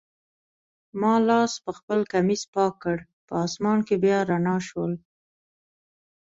ما لاس پخپل کمیس پاک کړ، په آسمان کي بیا رڼا شول.